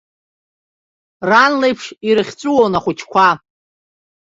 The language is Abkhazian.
Ран леиԥш ирыхьҵәыуон ахәыҷқәа.